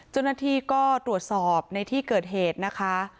เจ้าหน้าที่ก็ตรวจสอบในที่เกิดเหตุนะคะ